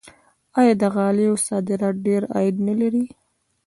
آیا د غالیو صادرات ډیر عاید نلري؟